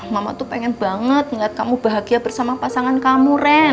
mama tuh pengen banget ngeliat kamu bahagia bersama pasangan kamu ren